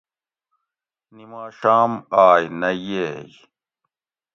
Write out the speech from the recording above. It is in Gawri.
نیماشام آئ نہ ییئ